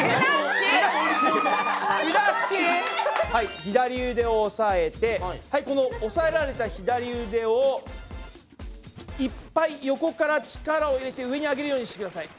はい左うでをおさえてこのおさえられた左うでをいっぱい横から力を入れて上にあげるようにしてください。